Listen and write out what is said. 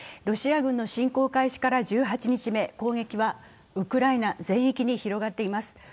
ロシア軍の侵攻開始から１８日目、攻撃はウクライナ全域に広がっています。